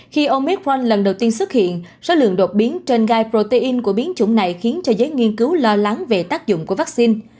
khi ôngit frank lần đầu tiên xuất hiện số lượng đột biến trên gai protein của biến chủng này khiến cho giới nghiên cứu lo lắng về tác dụng của vaccine